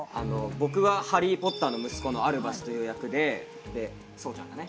僕はハリー・ポッターの息子のアルバスという役でで宗ちゃんがね